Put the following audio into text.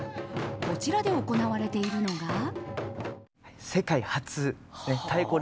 こちらで行われているのが。